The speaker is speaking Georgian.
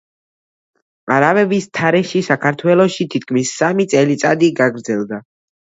არაბების თარეში საქართველოში თითქმის სამი წელიწადი გაგრძელდა.